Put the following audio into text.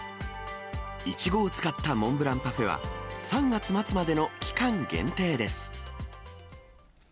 イチゴを使ったモンブランパフェは、３月末までの期間限定です。